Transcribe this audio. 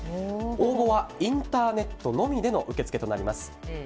応募はインターネットのみでの受け付けとなります。